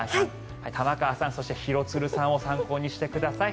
玉川さんそして廣津留さんを参考にしてください。